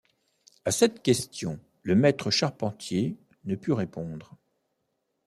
À cette question, le maître charpentier ne put répondre.